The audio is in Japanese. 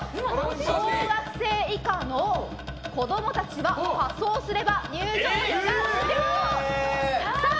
小学生以下の子供たちが仮装すれば入場料無料！